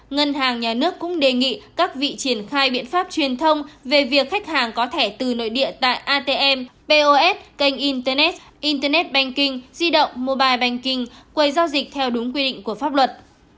ngân hàng nhà nước cũng đề nghị các vị triển khai biện pháp truyền thông về việc khách hàng có thẻ từ nội địa tại atm pos kênh internet internet banking di động mobile banking quầy giao dịch theo đúng quy định của pháp luật